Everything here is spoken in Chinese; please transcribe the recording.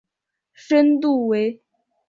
深度为。